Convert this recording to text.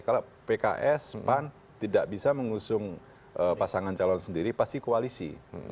kalau pks pan tidak bisa mengusung pasangan calon sendiri pasti koalisi